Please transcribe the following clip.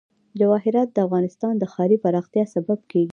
جواهرات د افغانستان د ښاري پراختیا سبب کېږي.